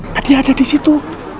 tadi ada disitu